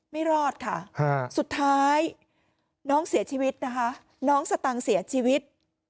ไม่รอดค่ะสุดท้ายน้องเสียชีวิตนะคะน้องสตังค์เสียชีวิต